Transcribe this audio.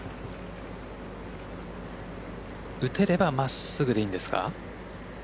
打てれば真っすぐでいいんですか？